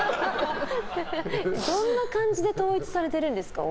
どんな感じで統一されてるんですか？